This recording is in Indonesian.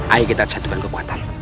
ayo kita cek kekuatan